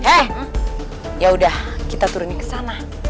eh yaudah kita turunin ke sana